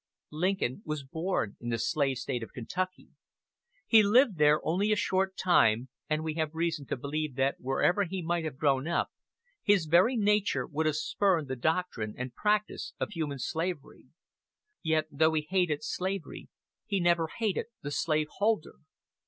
Lincoln was born in the slave State of Kentucky. He lived there only a short time, and we have reason to believe that wherever he might have grown up, his very nature would have spurned the doctrine and practice of human slavery. Yet, though he hated slavery, he never hated the slave holder.